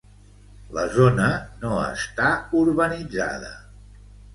La zona no està urbanitzada.